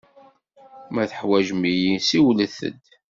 Ma teḥwaǧem-iyi, siwlet-d.